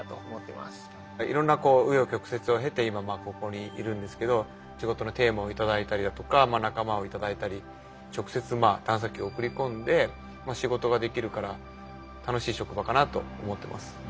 いろんな紆余曲折を経て今ここにいるんですけど仕事のテーマを頂いたりだとか仲間を頂いたり直接探査機を送り込んで仕事ができるから楽しい職場かなと思ってます。